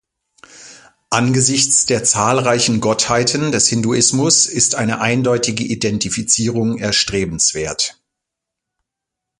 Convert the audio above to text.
Angesichts der zahlreichen Gottheiten des Hinduismus ist eine eindeutige Identifizierung erstrebenswert.